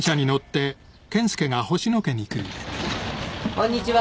こんにちは。